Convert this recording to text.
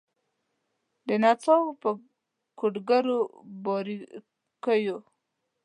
د نڅاوو په کوډګرو باریکېو